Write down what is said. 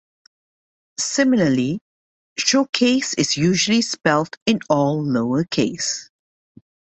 Similarly, Showcase is usually spelt in all lower case.